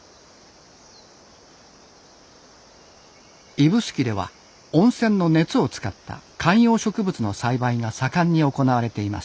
指宿では温泉の熱を使った観葉植物の栽培が盛んに行われています。